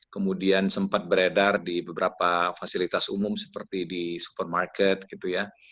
kemudian sempat beredar di beberapa fasilitas umum seperti di supermarket gitu ya